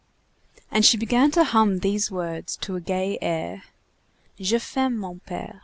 And she began to hum these words to a gay air:— "J'ai faim, mon père."